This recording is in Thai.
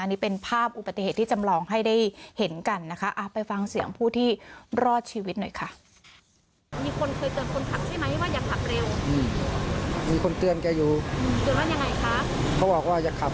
นี่เป็นภาพอุบัติเหตุที่จำลองให้ได้เห็นกันนะคะไปฟังเสียงผู้ที่รอดชีวิตหน่อยค่ะ